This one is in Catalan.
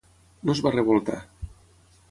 No es va revoltar.